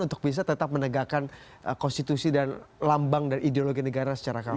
untuk bisa tetap menegakkan konstitusi dan lambang dan ideologi negara secara kampanye